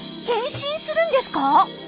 変身するんですか？